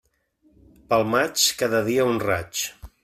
Pel maig, cada dia un raig.